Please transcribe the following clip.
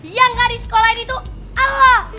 yang gak disekolahin itu ala